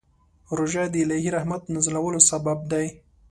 روژه د الهي رحمت نازلولو سبب دی.